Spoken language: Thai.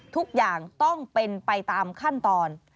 ทุกอย่างต้องเป็นไปตามขั้นตอน